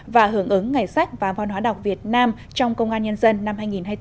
và hưởng ứng ngày sách và văn hóa đọc việt nam trong công an nhân dân năm hai nghìn hai mươi bốn